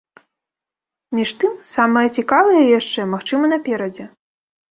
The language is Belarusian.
Між тым, самае цікавае яшчэ, магчыма, наперадзе.